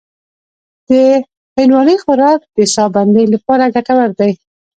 د هندواڼې خوراک د ساه بندۍ لپاره ګټور دی.